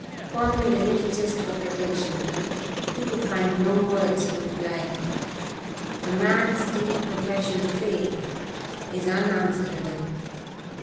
Paul made a little gesture of attention. He could find no words to reply. A man's deep profession of faith is unanswerable.